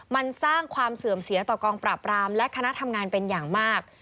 มันสร้างความเสื่อมเสียต่อกองปราบรามและคณะทำงานเป็นอย่างมาก